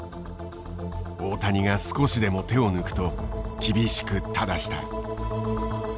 大谷が少しでも手を抜くと厳しく正した。